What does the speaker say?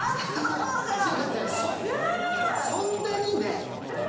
そんなに？